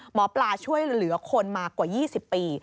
หมอปลาช่วยเหลือคนมากว่า๒๐ปี